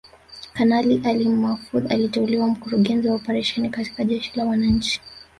Kanali Ali Mahfoudh aliteuliwa Mkurugenzi wa Operesheni katika Jeshi la Wananchi